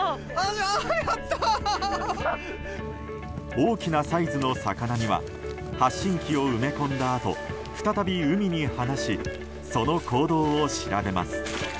大きなサイズの魚には発信器を埋め込んだあと再び海に放しその行動を調べます。